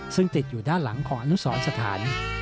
ซึ่งติดอยู่ด้านหลังของอนุสรสถาน